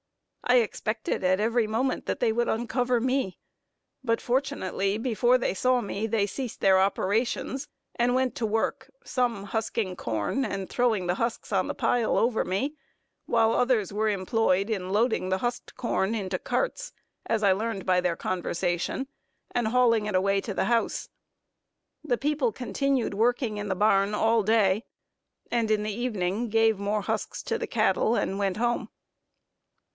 I expected at every moment that they would uncover me; but fortunately before they saw me, they ceased their operations, and went to work, some husking corn, and throwing the husks on the pile over me, while others were employed in loading the husked corn into carts, as I learned by their conversation, and hauling it away to the house. The people continued working in the barn all day, and in the evening gave more husks to the cattle and went home.